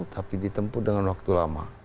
tapi ditempuh dengan waktu lama